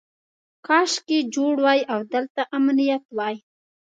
کاشکې جوړ وای او دلته امنیت وای.